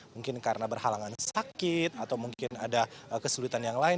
mungkin karena berhalangan sakit atau mungkin ada kesulitan yang lain